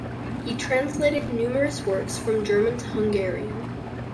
He translated numerous works from German to Hungarian.